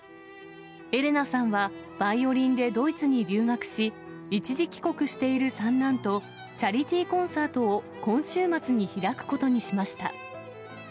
エレナさんは、バイオリンでドイツに留学し、一時帰国している三男と、チャリティーコンサートを今週末に開くことにしました。